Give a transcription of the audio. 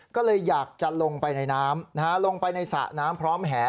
ก็เลยอยากจะลงไปในน้ำลงไปในสระน้ำพร้อมแห่